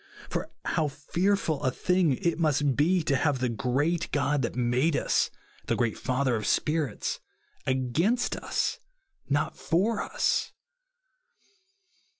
For how feai'ful a thing must it be to have the great God that made us, the 28 god's character great Father of Spirits, against us, not for us